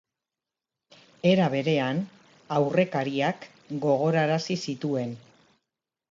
Era berean, aurrekariak gogorarazi zituen.